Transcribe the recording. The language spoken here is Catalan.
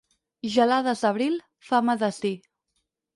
Gelades d'abril, fam a desdir.